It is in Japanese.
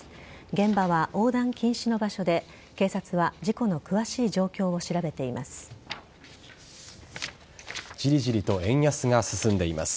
現場は横断禁止の場所で警察は事故の詳しい状況を調べています。